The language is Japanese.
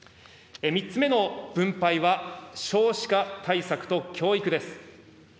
３つ目の分配は、少子化対策と教育です。